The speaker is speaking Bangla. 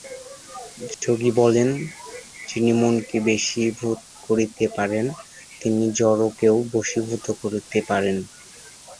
যোগী বলেন, যিনি মনকে বশীভূত করিতে পারেন, তিনি জড়কেও বশীভূত করিতে পারেন।